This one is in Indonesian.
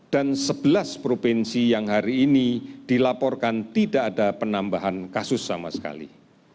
dan sebelas provinsi yang hari ini dilaporkan tidak ada penambahan kasus sama sekali